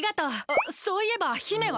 あっそういえば姫は！？